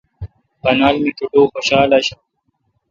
بانال می کٹو خوشال آݭآں۔